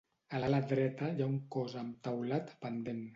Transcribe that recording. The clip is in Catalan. A l'ala dreta hi ha un cos amb teulat pendent.